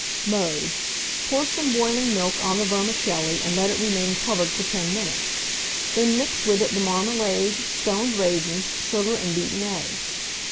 Mode. Pour some boiling milk on the vermicelli, and let it remain covered for 10 minutes; then mix with it the marmalade, stoned raisins, sugar, and beaten eggs.